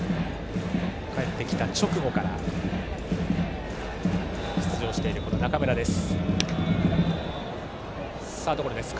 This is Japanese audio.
帰ってきた直後から出場している中村です。